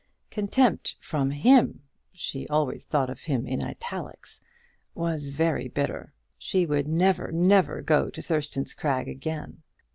Contempt from him she always thought of him in italics was very bitter! She would never, never go to Thurston's Crag again.